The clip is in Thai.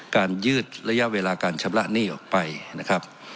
ยืดระยะเวลาการชำระหนี้ออกไปนะครับ